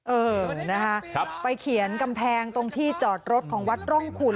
เออนะคะไปเขียนกำแพงตรงที่จอดรถของวัดร่องขุน